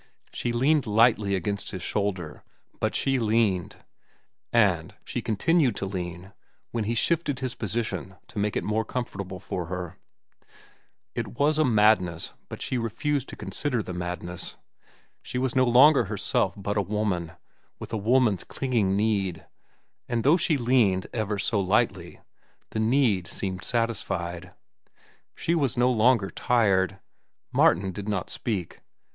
She leaned lightly against his shoulder, but she leaned, and she continued to lean when he shifted his position to make it more comfortable for her. It was a madness, but she refused to consider the madness. She was no longer herself but a woman, with a woman's clinging need; and though she leaned ever so lightly, the need seemed satisfied. She was no longer tired. Martin did not speak.